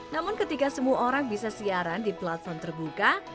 namun ketika semua orang bisa siaran di platform terbuka